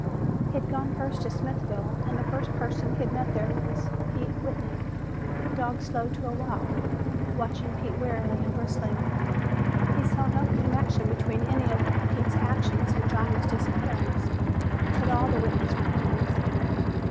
He'd gone first to Smithville and the first person he'd met there was Pete Whitney. The dog slowed to a walk, watching Pete warily and bristling. He saw no connection between any of Pete's actions and Johnny's disappearance, but all the Whitneys were enemies.